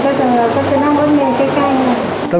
หรือถ้ามีคนนัดมีอะไรอย่างนี้ก็ไม่ได้ไป